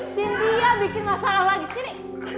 sintia bikin masalah lagi sini